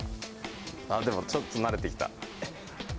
ああ、でもちょっと慣れてきた。